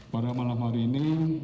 pada malam hari ini